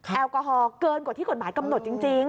แอลกอฮอลเกินกว่าที่กฎหมายกำหนดจริง